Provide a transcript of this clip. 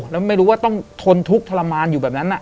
แล้วไม่รู้ว่าต้องทนทุกข์ทรมานอยู่แบบนั้น